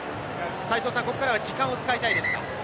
ここからは時間を使いたいですか？